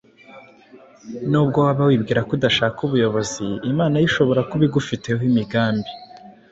Nubwo waba wibwira ko udashaka ubuyobozi Imana yo ishobora kuba igufiteho imigambi